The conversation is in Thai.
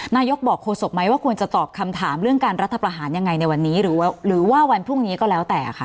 นายกบอกโฆษกไหมว่าควรจะตอบคำถามเรื่องการรัฐประหารยังไงในวันนี้หรือว่าวันพรุ่งนี้ก็แล้วแต่ค่ะ